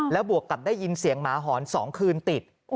แล้วบวกกับได้ยินเสียงหมาหอน๒คืนติด